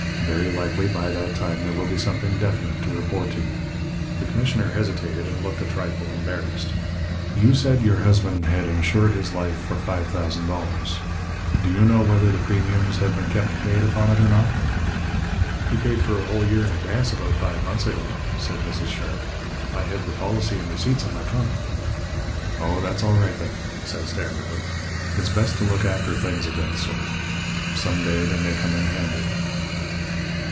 Very likely by that time there will be something definite to report to you." The commissioner hesitated, and looked a trifle embarrassed. "You said your husband had insured his life for $5,000. Do you know whether the premiums have been kept paid upon it or not?" "He paid for a whole year in advance about five months ago," said Mrs. Sharp. "I have the policy and receipts in my trunk." "Oh, that's all right, then," said Standifer. "It's best to look after things of that sort. Some day they may come in handy."